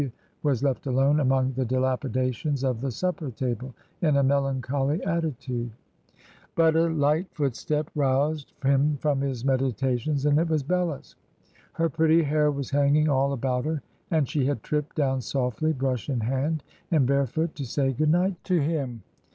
W. was left alone among the dilapidations of the supper table, in a melancholy attitude. But, a light footstep roused him from his meditations, and it was Bella's. Her pretty hair was hanging all about her, and she had tripped down softly, brush in hand, and barefoot, to say good night to him.